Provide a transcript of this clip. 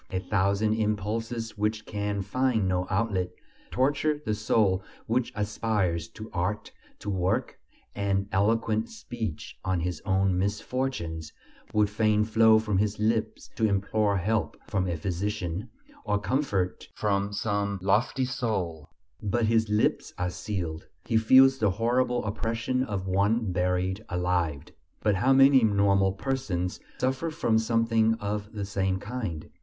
A thousand impulses which can find no outlet torture the soul which aspires to art, to work; and eloquent speech on his own misfortunes would fain flow from his lips to implore help from a physician, or comfort from some lofty soul; but his lips are sealed. He feels the horrible oppression of one buried alive. But how many normal persons suffer from something of the same kind!